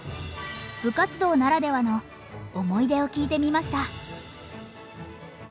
部活動ならではの思い出を聞いてみました。